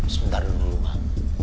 sebentar dulu bang